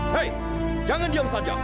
hei jangan diam saja